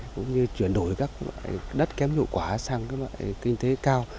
cũng như chuyển đổi các đất kém lụ quả sang các loại kinh tế cao